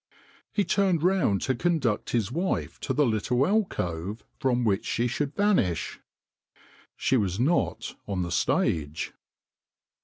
He turned round to conduct his wife to the little alcove from which she should vanish. She was not on the stage